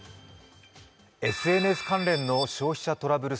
ＳＮＳ関連の消費者トラブル